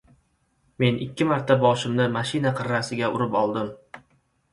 — Men ikki marta boshimni mashina qirrasiga urib oldim.